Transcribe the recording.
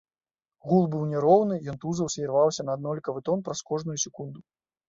Гул быў няроўны, ён тузаўся і рваўся на аднолькавы тон праз кожную секунду.